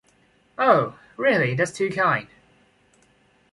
Oh! Really, that’s too kind.